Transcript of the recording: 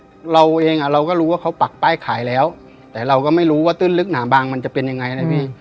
คือเราเองอ่ะเราก็รู้ว่าเขาปักป้ายขายแล้วแต่เราก็ไม่รู้ว่าตื้นลึกหนาบางมันจะเป็นยังไงนะพี่